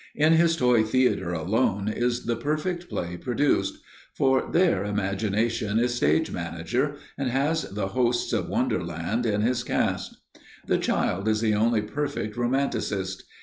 In his toy theatre alone is the perfect play produced, for there imagination is stage manager, and has the hosts of Wonderland in his cast. The child is the only perfect romanticist.